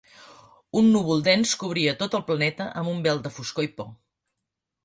Un núvol dens cobria tot el planeta amb un vel de foscor i por.